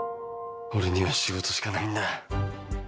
俺には仕事しかないんだ。